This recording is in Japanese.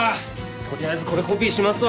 取りあえずこれコピーしますわ。